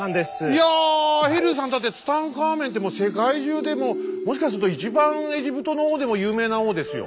いやヘルーさんだってツタンカーメンって世界中でもうもしかすると一番エジプトの王でも有名な王ですよ。